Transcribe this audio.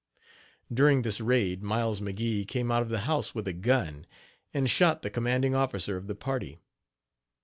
During this raid Miles McGee came out of the house with a gun, and shot the commanding officer of the party.